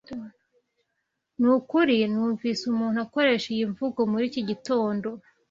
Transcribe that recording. Nukuri numvise umuntu akoresha iyi mvugo muri iki gitondo.